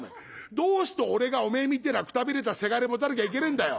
どうして俺がおめえみてえなくたびれたせがれ持たなきゃいけねえんだよ。